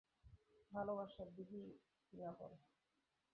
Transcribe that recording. ভালোবাসা দিবি কি না বল?